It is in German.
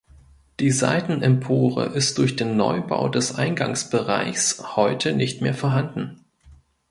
Die Seitenempore ist durch den Neubau des Eingangsbereichs heute nicht mehr vorhanden.